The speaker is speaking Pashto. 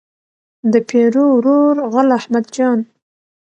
د پیرو ورور غل احمد جان.